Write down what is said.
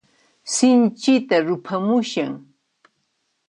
Sinchita ruphamushan.